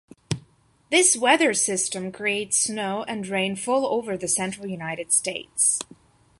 This weather system creates snow and rain fall over the central United States.